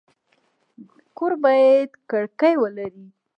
کور باید کړکۍ ولري